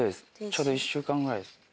ちょうど１週間ぐらいですね